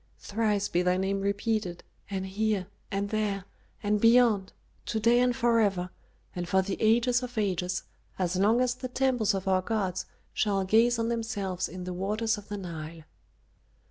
Thrice be thy name repeated and here and there and beyond, to day and forever, and for the ages of ages, as long as the temples of our gods shall gaze on themselves in the waters of the Nile."